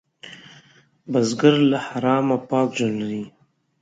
بزګر له حرامه پاک ژوند لري